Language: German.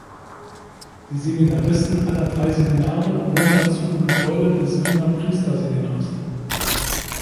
Die Seminaristen aller drei Seminare wohnen dazu im Gebäude des Wiener Priesterseminars.